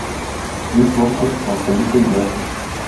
Luis Borges, Juan Felipe Ibarra.